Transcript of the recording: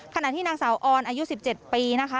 ขณะที่นางสาวออนอายุ๑๗ปีนะคะ